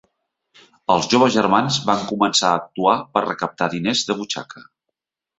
Els joves germans van començar a actuar per recaptar diners de butxaca.